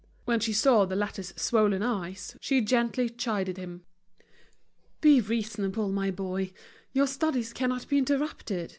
When she saw the latter's swollen eyes, she gently chided him. "Be reasonable, my boy. Your studies cannot be interrupted.